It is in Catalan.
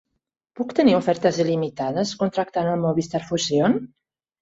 Puc tenir ofertes il·limitades contractant el Movistar Fusión?